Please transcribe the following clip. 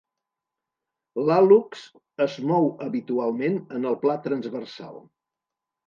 L'hàl·lux es mou habitualment en el pla transversal.